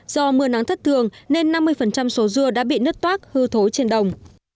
do mưa nắng thất thường nên năm mươi số dưa đã bị nứt toác hư thối trên đồng